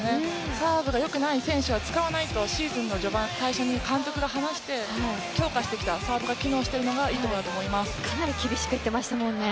サーブが良くない選手は使わないとシーズン序盤最初に監督が話して強化してきたサーブが機能しているのがかなり厳しく言っていましたもんね。